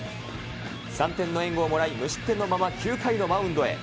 ３点の援護をもらい、無失点のまま９回のマウンドへ。